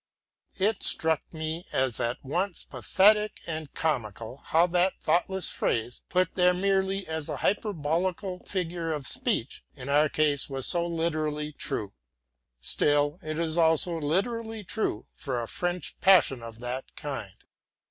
It struck me as at once pathetic and comical, how that thoughtless phrase, put there merely as a hyperbolical figure of speech, in our case was so literally true. Still it is also literally true for a French passion of that kind.